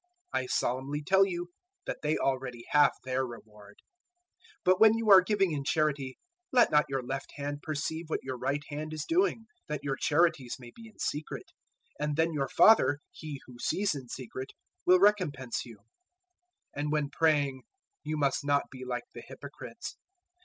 I solemnly tell you that they already have their reward. 006:003 But when you are giving in charity, let not your left hand perceive what your right hand is doing, 006:004 that your charities may be in secret; and then your Father He who sees in secret will recompense you. 006:005 "And when praying, you must not be like the hypocrites.